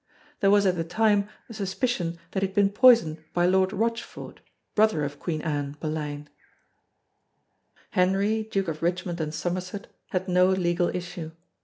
There was at the time a suspicion that he had been poisoned by Lord Rochford, brother of Queen Anne (Boleyn). Henry Duke of Richmond and Somerset had no legal issue.